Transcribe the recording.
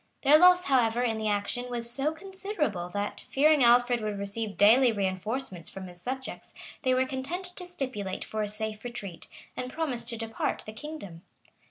Their loss, however, in the action, was so considerable, that, fearing Alfred would receive daily reënforcements from his subjects, they were content to stipulate for a safe retreat, and promised to depart the kingdom.